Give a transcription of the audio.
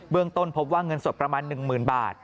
ต้นพบว่าเงินสดประมาณ๑๐๐๐บาท